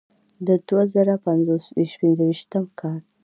د دوه زره پنځويشتم کال